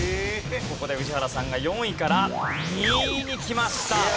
ここで宇治原さんが４位から２位にきました。